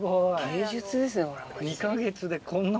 芸術ですね。